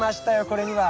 これには。